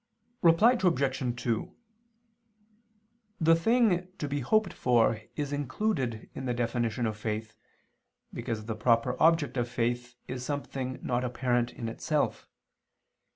Reply Obj. 2: The thing to be hoped for is included in the definition of faith, because the proper object of faith, is something not apparent in itself.